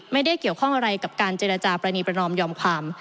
ไม่ได้เกี่ยวข้องอะไรกับการเจรจาปรณีประนอมยอมความ